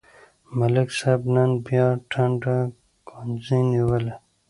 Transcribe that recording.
ملک صاحب نن بیا ټنډه ګونځې نیولې.